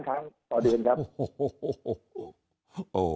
โฮโฮโฮโฮโฮ